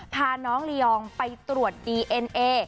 พาน้องลียองไปตรวจดีเอ็นเอ